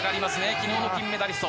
昨日の金メダリスト。